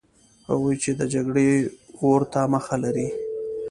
هغوی چې د جګړې اور ته مخه لري.